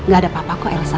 gak ada apa apa kok elsa